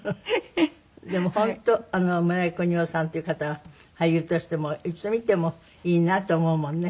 でも本当村井國夫さんという方は俳優としてもいつ見てもいいなと思うもんね。